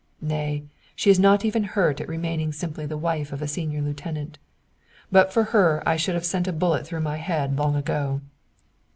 Nay, she is not even hurt at remaining simply the wife of a senior lieutenant. But for her I should have sent a bullet through my head long ago."